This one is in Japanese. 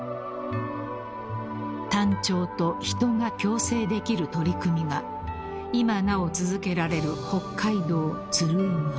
［タンチョウと人が共生できる取り組みが今なお続けられる北海道鶴居村］